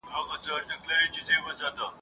جنازې مو پر اوږو د ورځو ګرځي ..